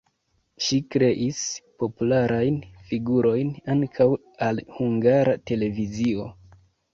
Ŝi kreis popularajn figurojn ankaŭ al Hungara Televizio.